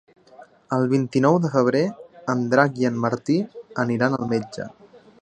El vint-i-nou de febrer en Drac i en Martí aniran al metge.